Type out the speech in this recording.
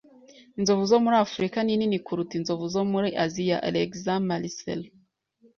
Inzovu zo muri Afurika nini kuruta inzovu zo muri Aziya. (alexmarcelo)